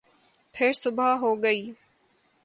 پھر صبح ہوگئی